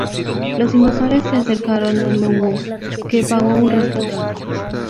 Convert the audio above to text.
Los invasores se acercaron Lwów, que pagó un rescate.